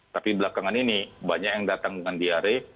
tapi belakangan ini banyak yang datang dengan diare